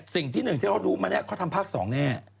สิ่งที่เขารู้มาเนี่ยเค้าทำภาค๒เนี่ย